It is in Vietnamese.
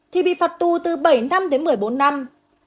thì bị phạt tù từ bảy năm đến một mươi bốn năm